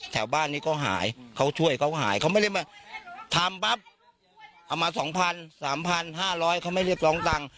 แถวบ้านนี้ก็หายเขาช่วยเขาหายเขาไม่ได้มาทำปั๊บเอามาสองพันสามพันห้าร้อยเขาไม่ได้กลองตังค์